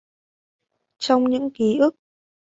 Trong những kí ức